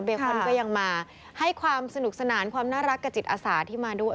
คอนก็ยังมาให้ความสนุกสนานความน่ารักกับจิตอาสาที่มาด้วย